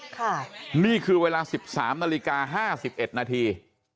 ค่ะนี่คือเวลา๑๓นาฬิกา๕๑นาที